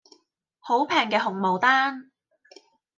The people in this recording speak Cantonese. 好平嘅紅毛丹